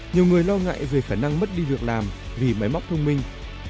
nhiều người lo ngại về khả năng mất đi việc làm vì máy móc thông minh